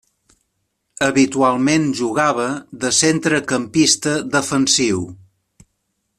Habitualment jugava de centrecampista defensiu.